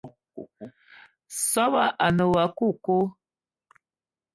Soobo a ne woua coco